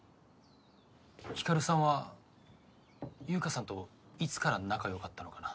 ひかるさんは優香さんといつから仲良かったのかな？